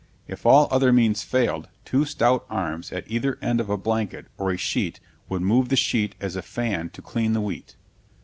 If all other means failed, two stout arms at either end of a blanket or a sheet would move the sheet as a fan to clean the wheat.